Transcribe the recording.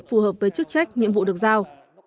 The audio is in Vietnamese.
phù hợp với chức trách nhiệm vụ được giao